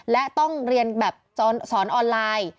และต้องเรียนแบบสอนออนไลน์